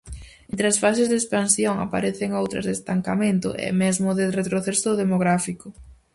Entre as fases de expansión aparecen outras de estancamento e, mesmo, de retroceso demográfico.